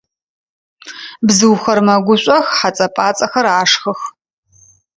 Бзыухэр мэгушӏох, хьэцӏэ-пӏацӏэхэр ашхых.